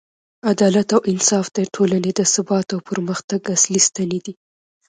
عدالت او انصاف د ټولنې د ثبات او پرمختګ اصلي ستنې دي.